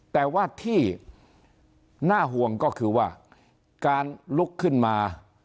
แต่ว่าที่น่าห่วงก็คือว่าการลุกขึ้นมา